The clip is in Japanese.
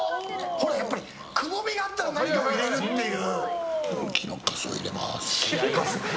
ほら、くぼみがあったら何かを入れるっていう。